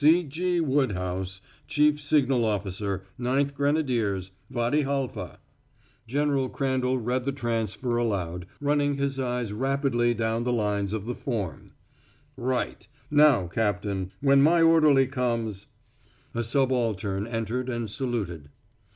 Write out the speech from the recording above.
"C. G. Woodhouse Chief Signal Officer Ninth Grenadiers Wady Halfa " General Crandall conned the transfer aloud, running his eyes rapidly down the lines of the form. "Right. Now, Captain, when my orderly comes " A subaltern entered and saluted.